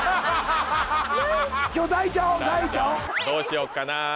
どうしよっかな